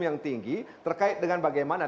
yang tinggi terkait dengan bagaimana